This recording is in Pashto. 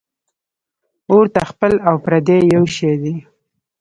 ـ اور ته خپل او پردي یو شی دی .